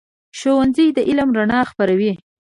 ښوونځی د علم رڼا خپروي.